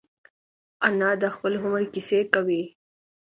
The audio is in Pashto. انا د خپل عمر کیسې کوي